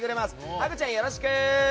ハグちゃん、よろしく！